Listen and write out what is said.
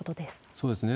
そうですね。